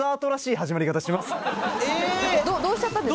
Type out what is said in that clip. どうしちゃったんですか？